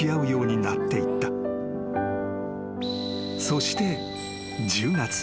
［そして１０月］